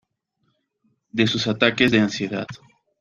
de sus ataques de ansiedad.